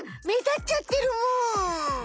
めだっちゃってるむ。